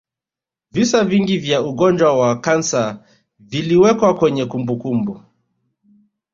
visa vingi vya ugonjwa wa kansa viliwekwa kwenye kumbukumbu